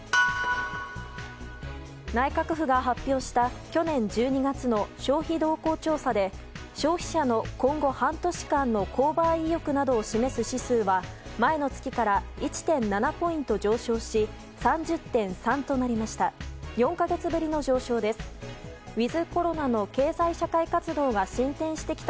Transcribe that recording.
内閣府が発表した去年１２月の消費動向調査で消費者の今後半年間の購買意欲などを示す指数は前の月から１．７ポイント上昇し３０．３となりました。